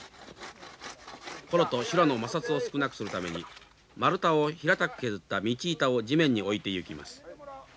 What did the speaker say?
転木と修羅の摩擦を少なくするために丸太を平たく削った道板を地面に置いてゆきます。